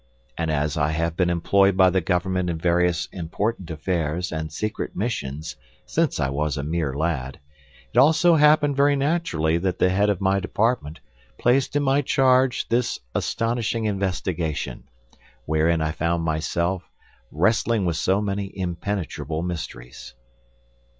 And as I have been employed by the government in various important affairs and secret missions since I was a mere lad, it also happened very naturally that the head of my department placed in my charge this astonishing investigation, wherein I found myself wrestling with so many impenetrable mysteries.